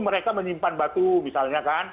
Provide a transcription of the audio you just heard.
mereka menyimpan batu misalnya